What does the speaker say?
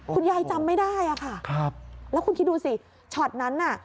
จำไม่ได้อะค่ะแล้วคุณคิดดูสิช็อตนั้นน่ะ